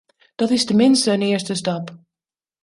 Dat is tenminste een eerste stap.